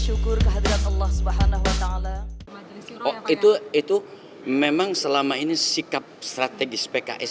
oh itu memang selama ini sikap strategis pks